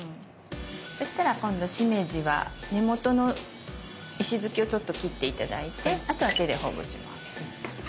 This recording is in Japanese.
そしたら今度しめじは根元の石突きをちょっと切って頂いてあとは手でほぐしますね。